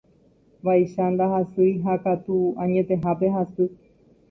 Vaicha ndahasýi ha katu añetehápe hasy.